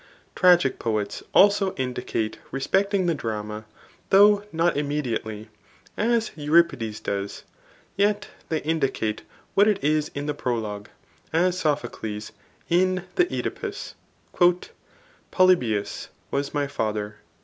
tragic poets also indicate respecting the drama, though Bot immediately, as Euripides does, yet they indicate what it is in the prologue, as Sophocles [in the CEdipns,} Foljbius was nty fadier.